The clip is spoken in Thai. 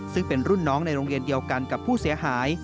ซึ่งเป็นรุ่นน้องในโรงเรียนเดียวกันกับผู้เสียหาย